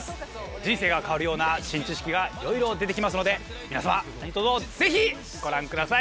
人生が変わるような新知識がいろいろ出て来ますので皆様何とぞぜひご覧ください。